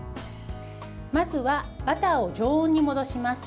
まずは、バターを常温に戻します。